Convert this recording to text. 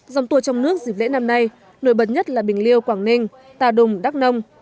dòng tour trong nước dịp lễ năm nay nổi bật nhất là bình liêu quảng ninh tà đùng đắk nông